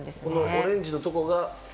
オレンジのとこが？